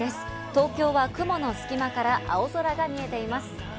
東京は雲の隙間から青空が見えています。